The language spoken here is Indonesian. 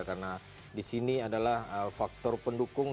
karena di sini adalah faktor pendukung